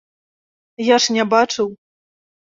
Я ж не бачыў.